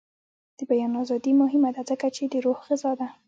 د بیان ازادي مهمه ده ځکه چې د روح غذا ده.